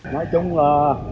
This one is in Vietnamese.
nói chung là